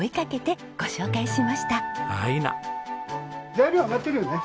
材料上がってるよね？